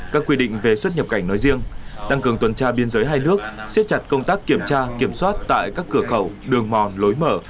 các quy định về xuất nhập cảnh nói riêng tăng cường tuần tra biên giới hai nước siết chặt công tác kiểm tra kiểm soát tại các cửa khẩu đường mòn lối mở